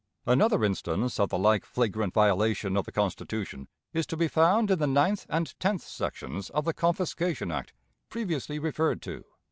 Another instance of the like flagrant violation of the Constitution is to be found in the ninth and tenth sections of the confiscation act previously referred to.